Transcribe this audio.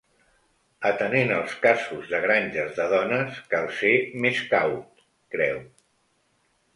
Atenent els casos de “granges de dones”, cal ser més caut, creu.